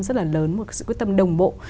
rất là lớn một sự quyết tâm đồng bộ